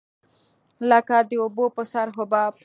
لکه د اوبو په سر حباب.